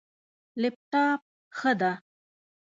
لپټاپ، ښه ده